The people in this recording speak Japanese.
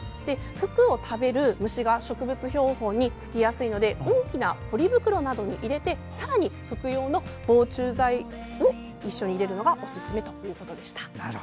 服を食べる虫が植物標本につきやすいので大きなポリ袋などに入れてさらに服用の防虫剤を一緒に入れるのがおすすめということでした。